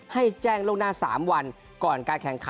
ให้แจ้งล่วงหน้า๓วันก่อนการแข่งขัน